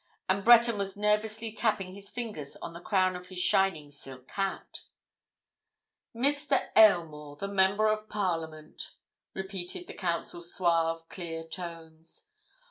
And Breton was nervously tapping his fingers on the crown of his shining silk hat. "Mr. Aylmore, the Member of Parliament," repeated the Counsel's suave, clear tones.